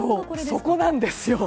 そこなんですよ。